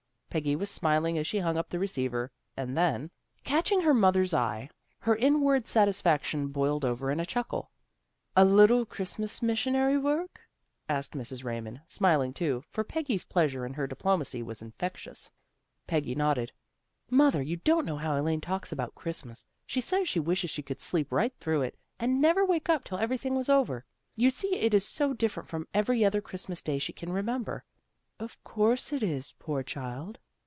Peggy was smiling as she hung up the receiver, and then, catching 204 THE GIRLS OF FRIENDLY TERRACE her mother's eye, her inward satisfaction boiled over in a chuckle. " A little Christmas missionary work? " asked Mrs. Raymond, smiling too, for Peggy's pleasure in her diplomacy was infectious. Peggy nodded. " Mother, you don't know how Elaine talks about Christmas, fene says she wishes she could sleep right through it, and never wake up till everything was over. You see it is so different from every other Christmas Day she can remember." " Of course it is, poor child."